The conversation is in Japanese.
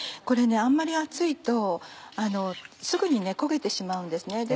これあんまり熱いとすぐに焦げてしまうんですね。